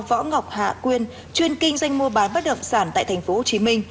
võ ngọc hạ quyên chuyên kinh doanh mua bán bất động sản tại tp hcm